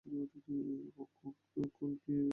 কল্কি এক সোনালী যুগ নিয়ে আসবে।